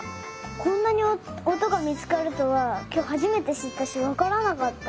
こんなにおとがみつかるとはきょうはじめてしったしわからなかった。